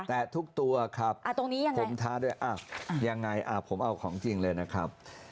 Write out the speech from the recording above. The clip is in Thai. แต่ทุกตัวครับผมท้าด้วยอ้าวยังไงผมเอาของจริงเลยนะครับ